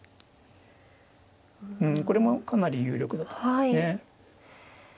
うんこれもかなり有力だと思いますね。